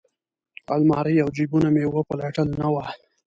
المارۍ او جیبونه مې وپلټل نه وه.